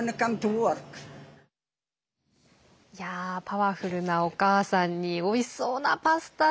パワフルなお母さんにおいしそうなパスタ。